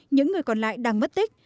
những người còn lại đang mất tích